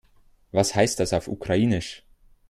Was heißt das auf Ukrainisch?